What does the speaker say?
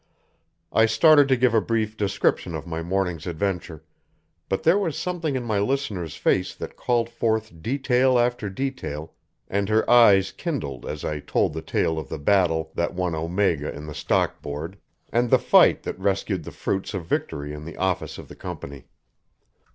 I started to give a brief description of my morning's adventure, but there was something in my listener's face that called forth detail after detail, and her eyes kindled as I told the tale of the battle that won Omega in the stock Board, and the fight that rescued the fruits of victory in the office of the company.